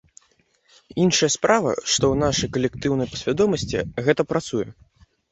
Іншая справа, што ў нашай калектыўнай падсвядомасці гэта працуе.